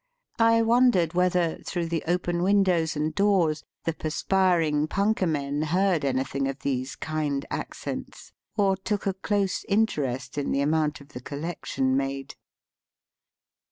I wondered whether, through the open windows and doors, the perspiring punkah men heard anything of these kind accents, or took a close interest in the amount of the collection made.